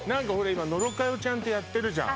今野呂佳代ちゃんとやってるじゃん